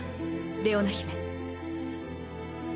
レオナ姫。